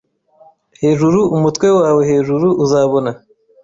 Hejuru umutwe wawe hejuru Uzabona